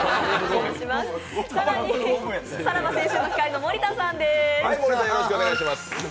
更にさらば青春の光の森田さんです。